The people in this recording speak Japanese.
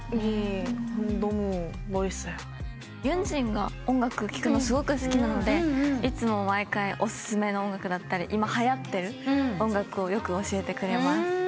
ＹＵＮＪＩＮが音楽聴くのすごく好きなのでいつも毎回お薦めの音楽だったり今はやってる音楽をよく教えてくれます。